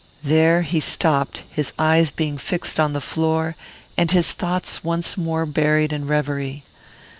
There he stopped; his eyes being fixed on the floor, and his thoughts once more buried in reverie.